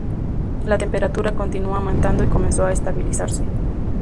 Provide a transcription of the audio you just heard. La temperatura continuó aumentando y comenzó a estabilizarse.